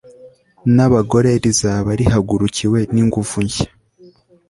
n'abagore rizaba rihagurukiwe n'ingufu nshya